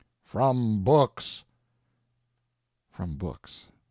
"From books." From books!